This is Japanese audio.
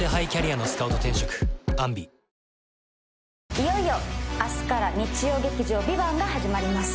いよいよ明日から日曜劇場「ＶＩＶＡＮＴ」が始まります。